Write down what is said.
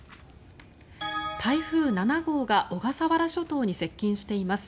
台風７号が小笠原諸島に接近しています。